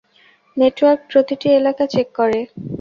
Network প্রতিটা এলাকা check করে।